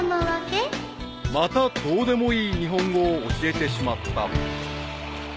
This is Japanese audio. ［またどうでもいい日本語を教えてしまった］